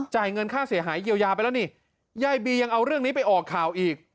จ่ายเงินค่าเสียหายเยียวยาไปแล้วนี่ยายบียังเอาเรื่องนี้ไปออกข่าวอีก